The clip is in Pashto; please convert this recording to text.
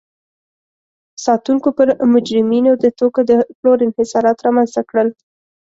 ساتونکو پر مجرمینو د توکو د پلور انحصارات رامنځته کړل.